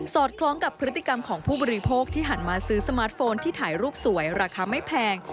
คล้องกับพฤติกรรมของผู้บริโภคที่หันมาซื้อสมาร์ทโฟนที่ถ่ายรูปสวยราคาไม่แพง